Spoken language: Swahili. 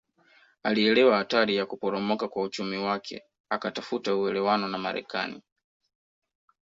Alielewa hatari ya kuporomoka kwa uchumi wake akatafuta uelewano na Marekani